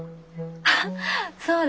あっそうだ！